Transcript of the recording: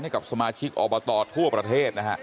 ให้กับสมาชิกอบตทั่วประเทศนะฮะ